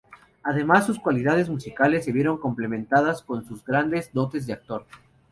Además, sus cualidades musicales se vieron complementadas con sus grandes dotes de actor.